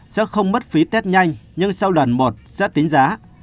sẽ không mất phí test nhanh nhưng sau lần một sẽ tính giá